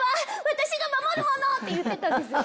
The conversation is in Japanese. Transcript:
「私が守るもの！」って言ってたんです。